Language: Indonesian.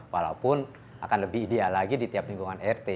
walaupun akan lebih ideal lagi di tiap lingkungan rt